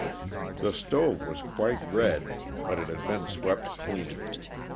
The stove was quite red, but it had been swept clean.